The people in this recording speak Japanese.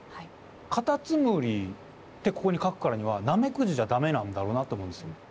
カタツムリってここに書くからにはナメクジじゃ駄目なんだろうなと思うんです。